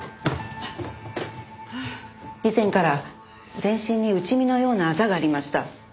以前から全身に打ち身のようなあざがありました。